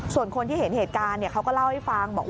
ส่วนคนที่เห็นเหตุการณ์เขาก็เล่าให้ฟังบอกว่า